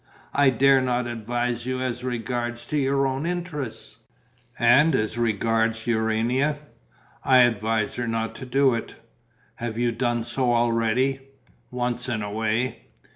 "I dare not advise you as regards your own interest." "And as regards Urania?" "I advise her not to do it." "Have you done so already?" "Once in a way."